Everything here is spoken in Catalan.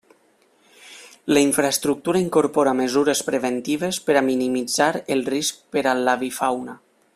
La infraestructura incorpora mesures preventives per a minimitzar el risc per a l'avifauna.